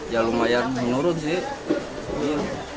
ya lumayan menurun sih